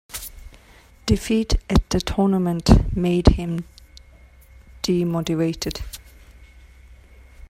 Defeat at the tournament made him demotivated.